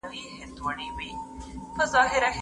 معروف هماغه کافي اندازه نفقه ده.